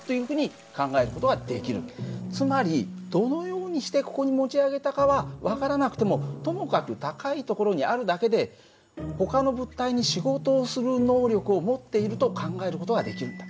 つまりどのようにしてここに持ち上げたかは分からなくてもともかく高い所にあるだけでほかの物体に仕事をする能力を持っていると考える事ができるんだ。